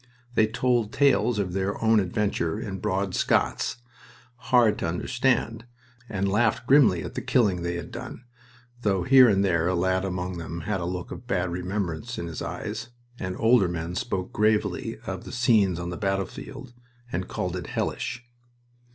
They told tales of their own adventure in broad Scots, hard to understand, and laughed grimly at the killing they had done, though here and there a lad among them had a look of bad remembrance in his eyes, and older men spoke gravely of the scenes on the battlefield and called it "hellish."